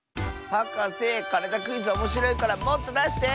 はかせ「からだクイズ」おもしろいからもっとだして！